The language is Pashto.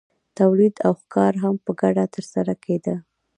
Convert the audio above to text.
تولید او ښکار هم په ګډه ترسره کیده.